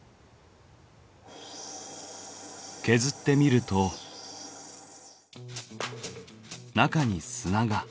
削ってみると中に砂が。